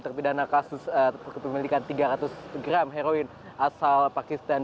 terpidana kasus kepemilikan tiga ratus gram heroin asal pakistan